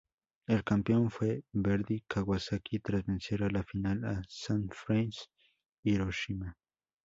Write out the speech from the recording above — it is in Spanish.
El campeón fue Verdy Kawasaki, tras vencer en la final a Sanfrecce Hiroshima.